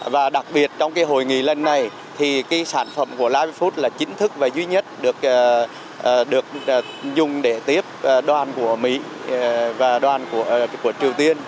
và đặc biệt trong hội nghị lần này thì cái sản phẩm của live food là chính thức và duy nhất được dùng để tiếp đoàn của mỹ và đoàn của triều tiên